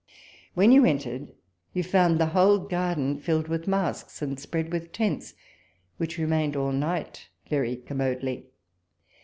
When you entered, you found tlie whole garden filled with masks and spread with tents, which remained all night very commoddy.